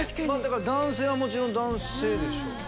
男性はもちろん男性でしょ。